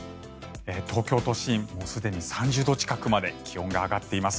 東京都心、すでに３０度近くまで気温が上がっています。